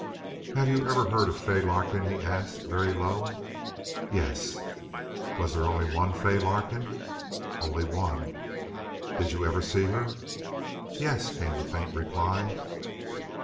"Have you ever heard of Fay Larkin?" he asked, very low. "Yes." "Was there only one Fay Larkin?" "Only one." "Did you ever see her?" "Yes," came the faint reply.